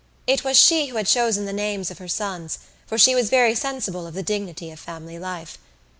It was she who had chosen the name of her sons for she was very sensible of the dignity of family life.